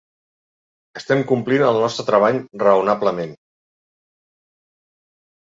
Estem complint el nostre treball raonablement.